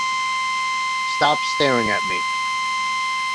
Stop Staring at Me!